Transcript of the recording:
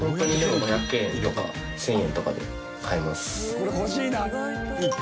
これ欲しいな１個。